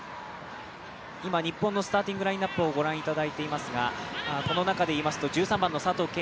今日本のスターティングラインナップをご覧いただいていますがこの中で言いますと、１３番の佐藤恵